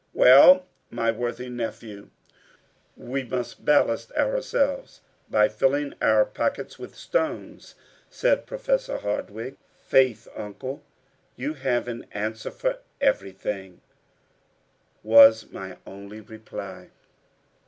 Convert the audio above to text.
"Well, my worthy nephew, we must ballast ourselves by filling our pockets with stones," said Professor Hardwigg. "Faith, Uncle, you have an answer for everything," was my only reply.